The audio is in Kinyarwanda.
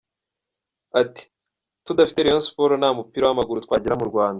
Ati: “Tudafite Rayon Sports nta mupira w’amaguru twagira mu Rwanda.